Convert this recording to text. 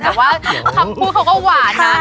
แต่ว่าคำพูดเขาก็หวานนะ